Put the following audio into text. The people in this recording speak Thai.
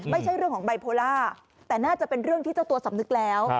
ไม่ใช่เรื่องของไบโพล่าแต่น่าจะเป็นเรื่องที่เจ้าตัวสำนึกแล้ว